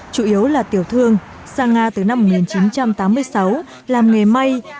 chủ yếu là tiểu thương sang nga từ năm một nghìn chín trăm tám mươi sáu làm nghề may